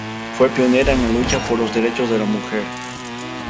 Fue pionera en la lucha por los derechos de la mujer.